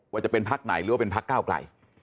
ว่าจะเป็นพักไหนหรือว่าเป็นพักก้าวกล่าย